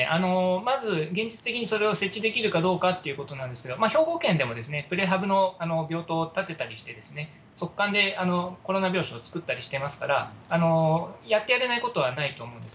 まず、現実的にそれを設置できるかどうかということなんですが、兵庫県でもプレハブの病棟を建てたりして、突貫でコロナ病床を作ったりしていますから、やってやれないことはないと思うんです。